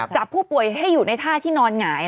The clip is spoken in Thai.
จับผู้ป่วยให้อยู่ในท่าที่นอนหงาย